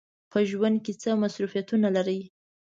په ژوند کې څه مصروفیتونه لرئ؟